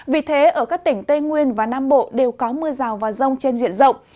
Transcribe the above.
vì thế ở các tỉnh tây nguyên và nam bộ đều có mưa rào và rông trên diện rộng